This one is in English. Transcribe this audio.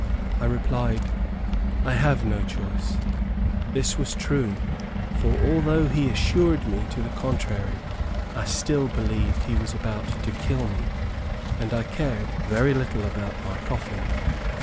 I replied, "I have no choice." This was true, for although he assured me to the contrary, I still believed he was about to kill me, and I cared very little about my coffin.